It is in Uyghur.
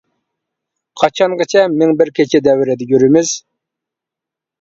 قاچانغىچە مىڭ بىر كېچە دەۋرىدە يۈرىمىز!